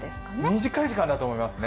短い時間だと思いますね